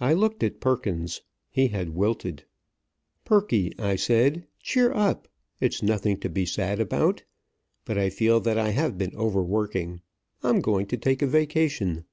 I looked at Perkins. He had wilted. "Perky," I said, "cheer up. It's nothing to be sad about. But I feel that I have been overworking. I'm going to take a vacation.